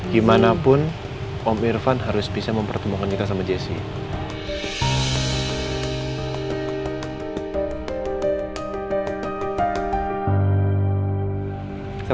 gimana pun om irvan harus bisa mempertemukan kita sama jessy